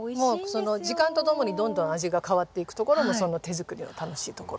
時間とともにどんどん味が変わっていくところも手作りの楽しいところ。